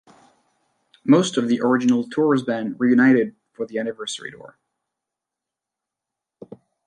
Most of the original tour's band reunited for the anniversary tour.